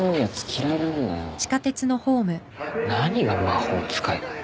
何が魔法使いだよ。